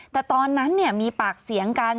แต่ตอนนั้นมีปากเสียงกัน